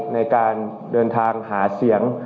ในการเดินทางหาเสียง